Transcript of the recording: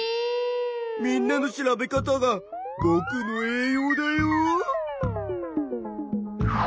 みんなの調べ方がぼくの栄養だよ。